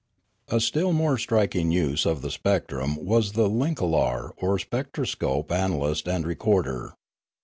A still more striking use of the spectrum was the linoklar or spectroscope analyst and recorder.